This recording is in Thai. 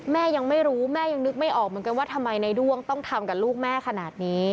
ยังไม่รู้แม่ยังนึกไม่ออกเหมือนกันว่าทำไมในด้วงต้องทำกับลูกแม่ขนาดนี้